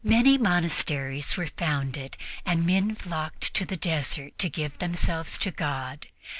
Many monasteries were founded, and men flocked to the desert to give themselves to God.